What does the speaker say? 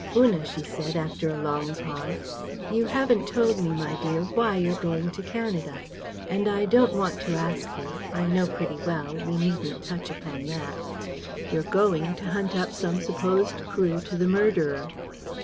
"Una," she said, after a long pause, "you haven't told me, my dear, why you're going to Canada. And I don't want to ask you. I know pretty well. We needn't touch upon that. You're going to hunt up some supposed clue to the murderer."